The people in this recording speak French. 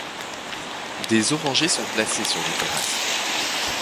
Des orangers sont placés sur les terrasses.